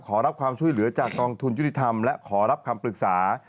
ขอรับความช่วยเหลือจากกองทุนยุติธรรมและขอรับคำปรึกษา